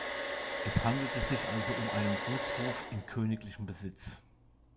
Es handelte sich also um einen Gutshof in königlichem Besitz.